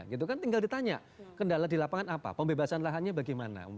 gitu kan tinggal ditanya kendala di lapangan apa pembebasan lahannya bagaimana